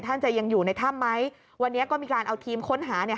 ท่านจะยังอยู่ในถ้ำไหมวันนี้ก็มีการเอาทีมค้นหาเนี่ย